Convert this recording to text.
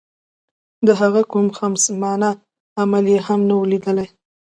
د هغه کوم خصمانه عمل یې هم نه وو لیدلی.